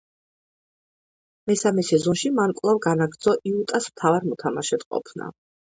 მესამე სეზონში მან კვლავ განაგრძო იუტას მთავარ მოთამაშედ ყოფნა.